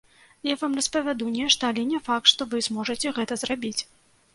Я вам распавяду нешта, але не факт, што вы зможаце гэта зрабіць.